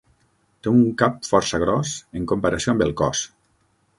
Té un cap força gros en comparació amb el cos.